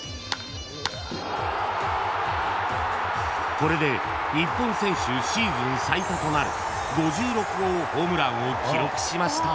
［これで日本選手シーズン最多となる５６号ホームランを記録しました］